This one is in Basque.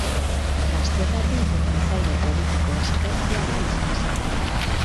Gaztetatik ekintzaile politiko ezkertiarra izan zen.